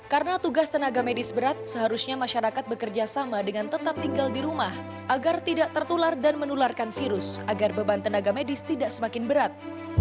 karena tugas tenaga medis berat seharusnya masyarakat bekerja sama dengan tetap tinggal di rumah agar tidak tertular dan menularkan virus agar beban tenaga medis tidak semakin berat